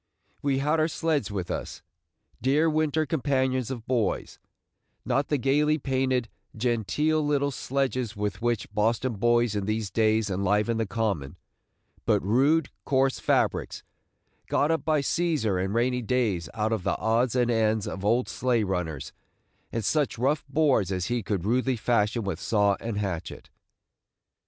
We had our sleds with us, – dear winter companions of boys, – not the gayly painted, genteel little sledges with which Boston boys in these days enliven the Common, but rude, coarse fabrics, got up by Cæsar in rainy days out of the odds and ends of old sleigh runners and such rough boards as he could rudely fashion with saw and hatchet.